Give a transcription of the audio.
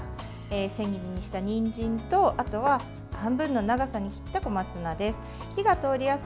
千切りにしたにんじんとあとは半分の長さに切った小松菜です。